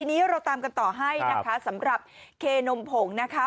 ทีนี้เราตามกันต่อให้นะคะสำหรับเคนมผงนะคะ